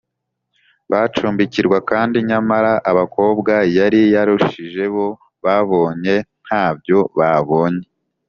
bacumbikirwa kandi nyamara abakobwa yari yarushije bo babonye ntabyo babonye